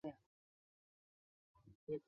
甚受汉和帝特殊宠爱。